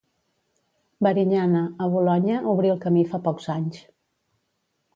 Varignana, a Bolonya, obrí el camí fa pocs anys.